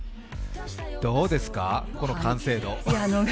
どうですか、この完成度。